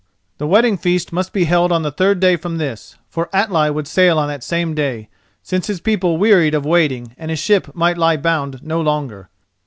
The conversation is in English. The wedding feast must be held on the third day from this, for Atli would sail on that same day, since his people wearied of waiting and his ship might lie bound no longer.